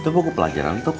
itu buku pelajaran gitu komik